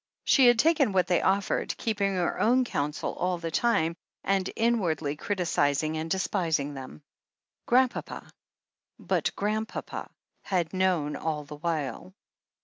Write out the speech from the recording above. She had taken what they offered, keeping her own counsel all the time, and inwardly criticizing and de spising them. Grandpapa — ^but Grandpapa had known all the while.